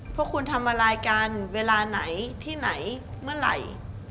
พวกคุณทำอะไรกันเวลาไหนที่ไหนเมื่อไหร่